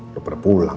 lupa udah pulang